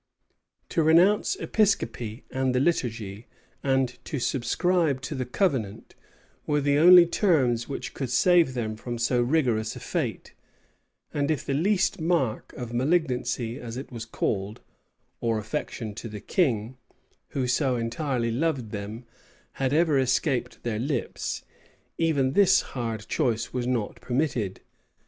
To renounce Episcopacy and the liturgy, and to subscribe the covenant, were the only terms which could save them from so rigorous a fate; and if the least mark of malignancy, as it was called, or affection to the king, who so entirely loved them, had ever escaped their lips, even this hard choice was not permitted.